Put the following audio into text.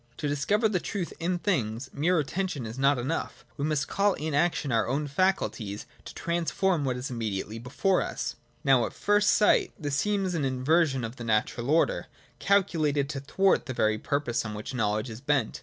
To discover the truth in things, mere attention is not enough ; we must call in the action of our own faculties to transform what is immediately before us. Now, at first sight, this seems an inversion of the natural order, calculated to thwart the very purpose on which knowledge is bent.